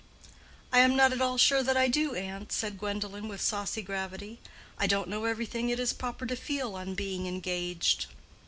"I am not at all sure that I do, aunt," said Gwendolen, with saucy gravity. "I don't know everything it is proper to feel on being engaged."